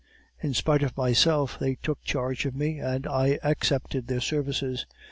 In spite of myself, they took charge of me, and I accepted their services.